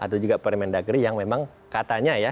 atau juga permendagri yang memang katanya ya